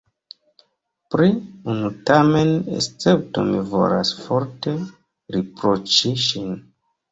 Pri unu tamen escepto mi volas forte riproĉi ŝin.